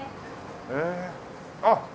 ええあっ